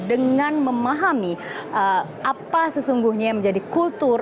dengan memahami apa sesungguhnya yang menjadi kultur